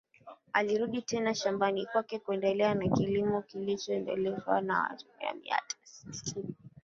Alirudi tena shambani kwake kuendelea na kilimo kilichoendeshwa na watumwa mia tatu tisini